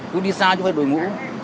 chú đi xa chú phải đổi mũ